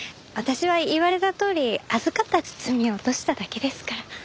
私は言われたとおり預かった包みを落としただけですから。